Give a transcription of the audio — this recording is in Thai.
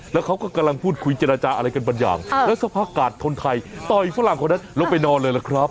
แล้วเขาก็กำลังพูดคุยเจรจาอะไรกันบางอย่างแล้วสักพักกาดคนไทยต่อยฝรั่งคนนั้นลงไปนอนเลยล่ะครับ